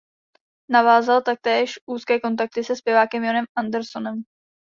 Navázal taktéž úzké kontakty se zpěvákem Jonem Andersonem.